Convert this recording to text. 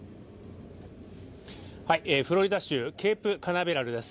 フロリダ州ケープカナベラルです。